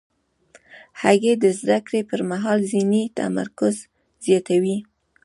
هګۍ د زده کړې پر مهال ذهني تمرکز زیاتوي.